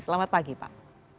selamat pagi pak